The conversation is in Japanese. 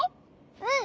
うん！